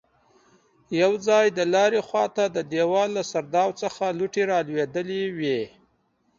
يو ځای د لارې خواته د دېوال له سرداو څخه لوټې رالوېدلې وې.